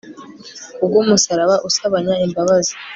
ku bw'umusaraba usabanya imbabazi